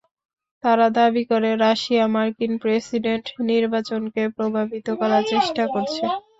তারা দাবি করে, রাশিয়া মার্কিন প্রেসিডেন্ট নির্বাচনকে প্রভাবিত করার চেষ্টা করছে।